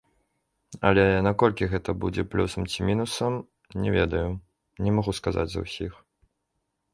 Але наколькі гэта будзе плюсам ці мінусам, не ведаю, не магу сказаць за ўсіх.